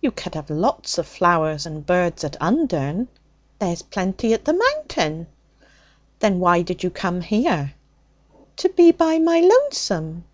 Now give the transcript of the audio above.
'You could have lots of flowers and birds at Undern.' 'There's plenty at the Mountain.' 'Then why did you come here?' 'To be by my lonesome.'